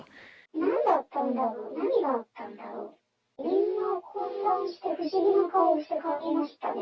なんだったんだろう、何があったんだろう、みんな混乱して、不思議な顔して帰りましたね。